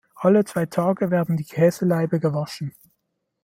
Alle zwei Tage werden die Käselaibe gewaschen.